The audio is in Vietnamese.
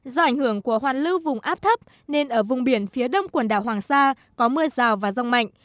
do ảnh hưởng của hoàn lưu vùng áp thấp nên ở vùng biển phía đông quần đảo hoàng sa có mưa rào và rông mạnh